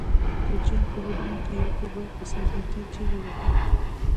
کوچیان په غرونو کې یو په بل پسې وریتې چیغې وهي.